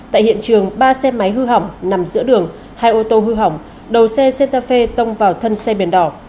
tại hiện trường ba xe máy hư hỏng nằm giữa đường hai ô tô hư hỏng đầu xe ct tông vào thân xe biển đỏ